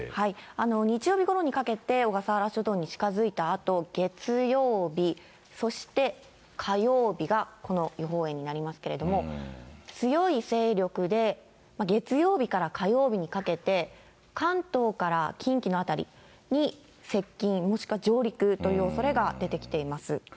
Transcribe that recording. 日曜日ごろにかけて、小笠原諸島に近づいたあと、月曜日、そして火曜日がこの予報円になりますけれども、強い勢力で、月曜日から火曜日にかけて、関東から近畿の辺りに接近、もしくは上陸というおそれが出てきています。